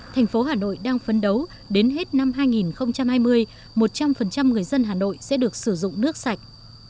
thành phố hà nội đang phấn đấu đến hết năm hai nghìn hai mươi một trăm linh người dân hà nội sẽ được sử dụng nước sạch